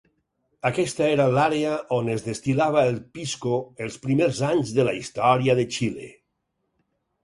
Aquesta era l'àrea on es destil·lava el pisco els primers anys de la història de Xile.